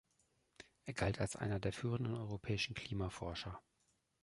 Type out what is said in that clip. Er galt als einer der führenden europäischen Klimaforscher.